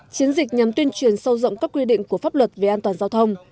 chiến dịch nhằm tuyên truyền sâu rộng các quy định của pháp luật về an toàn giao thông